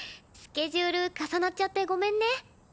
スケジュール重なっちゃってごめんね。